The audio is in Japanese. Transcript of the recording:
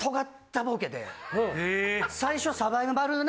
最初。